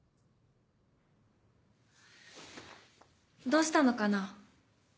どうしたのかな？